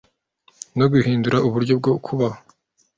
no guhindura uburyo bwo kubaho